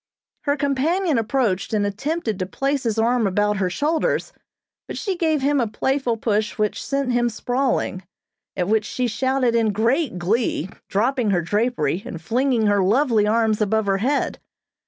Her companion approached and attempted to place his arm about her shoulders, but she gave him a playful push which sent him sprawling, at which she shouted in great glee, dropping her drapery and flinging her lovely arms above her head.